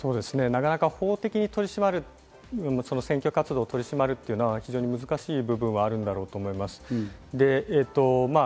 なかなか法的に取り締まる選挙活動を取り締まるというのは、難しい部分があるんだろうと思います。